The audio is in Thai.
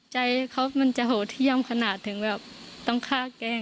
ใจเขามันจะโหดเที่ยมขนาดถึงแบบต้องฆ่าแกล้ง